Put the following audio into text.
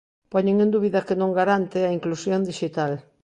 Poñen en dúbida que non garante a inclusión dixital.